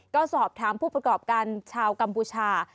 ก็สอบถามผู้ประกอบการชาวกัมพูชา